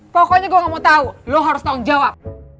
pokoknya gue ga mau tau lo harus tanggung jawab